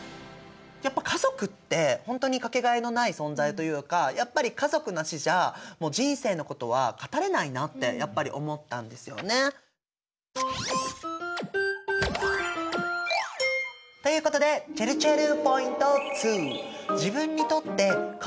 やっぱ家族ってほんとにかけがえのない存在というかやっぱり家族なしじゃ人生のことは語れないなってやっぱり思ったんですよね。ということでちぇるちぇるポイント２。